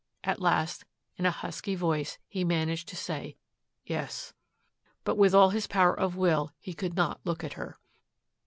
At last, in a husky voice, he managed to say, "Yes." But with all his power of will he could not look at her.